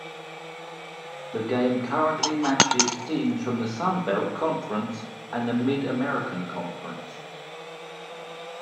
The game currently matches teams from the Sun Belt Conference and the Mid-American Conference.